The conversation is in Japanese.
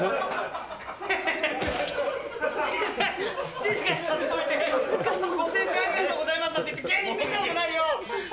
静かにさせといて、ご清聴ありがとうございましたって芸人みたことないよ！